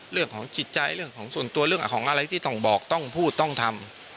เรื่องของจิตใจส่วนตัวเรื่องของอะไรที่ต้องบอกพูดทำ